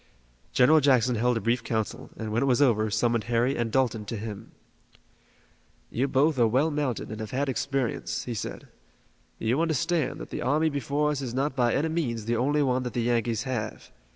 General Jackson held a brief council, and, when it was over, summoned Harry and Dalton to him. "You are both well mounted and have had experience," he said. "You understand that the army before us is not by any means the only one that the Yankees have.